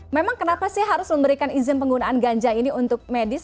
memang kenapa sih harus memberikan izin penggunaan ganja ini untuk medis